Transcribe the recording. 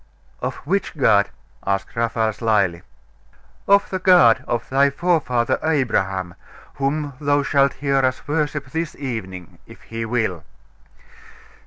'Of which God?' asked Raphael slyly. 'Of the God of thy forefather Abraham, whom thou shalt hear us worship this evening, if He will.